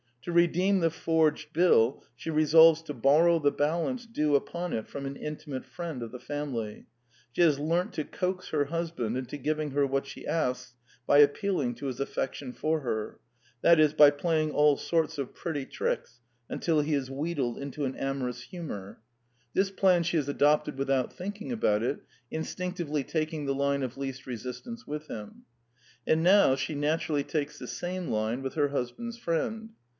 To redeem the forged bill, she resolves to borrow the balance due upon it from an intimate friend of the family. She has learnt to coax her husband into giving her what she asks by appealing to his affection for her: that is, by playing all sorts of pretty tricks until he is wheedled into an amorous humor. This The Anti Idealist Plays 9 1 plan she has adopted without thinking about it, instinctively taking the line of least resistance with him. And now she naturally takes the same line with her husband's friend.